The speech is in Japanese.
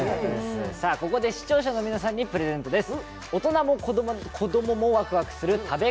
ここで視聴者の皆さんにプレゼントです。